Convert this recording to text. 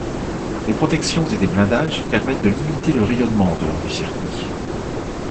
Des protections et des blindages permettent de limiter le rayonnement en dehors du circuit.